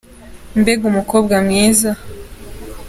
Mbega umukobwa mwiza!